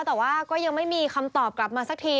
แต่ว่าก็ยังไม่มีคำตอบกลับมาสักที